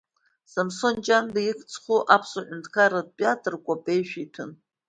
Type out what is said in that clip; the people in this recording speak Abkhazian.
Самсон Ҷанба ихьӡ зху Аԥсуа ҳәынҭқарратә театр кәапеишәа иҭәын.